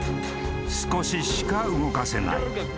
［少ししか動かせない］